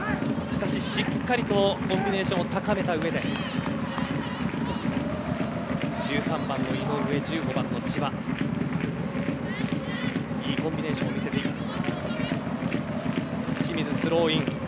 しっかりとコンビネーションを高めたうえで１３番、井上と１５番、千葉がいいコンビネーションを見せています。